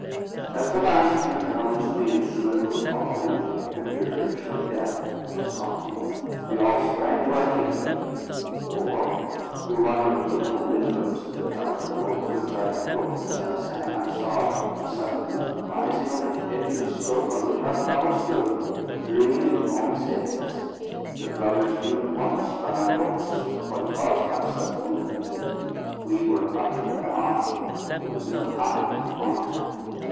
As the last few tones of the instrument were following, like a dirge, the death of the song, we all sprang to our feet. For, through one of the little windows of the tower, towards which I had looked as I sang, I saw, suddenly rising over the edge of the slope on which our tower stood, three enormous heads. The brothers knew at once, by my looks, what caused my sudden movement. We were utterly unarmed, and there was no time to arm.